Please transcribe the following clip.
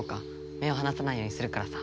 目をはなさないようにするからさ。